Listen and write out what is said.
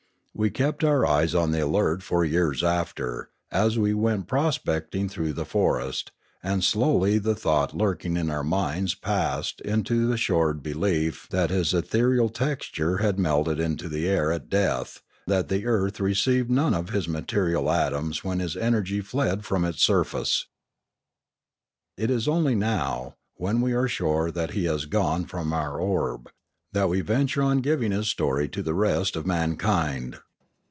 We kept our eyes on the alert for years after, as we went prospecting through the forest; and slowly the thought lurking in our minds passed into assured belief that his ethereal texture had melted into the air at death, that the earth received none of his material atoms when his energy fled from its surface. It is only now, when we are sure that he has gone from our orb, that we venture on giving his story to the rest of mankind.